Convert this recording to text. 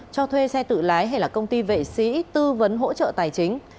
cho thuê xe tự lái hay là công ty vệ sĩ tư vấn hỗ trợ tài chính